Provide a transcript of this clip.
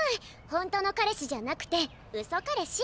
ホントの彼氏じゃなくてウソ彼氏。